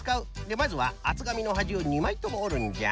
まずはあつがみのはじを２まいともおるんじゃ。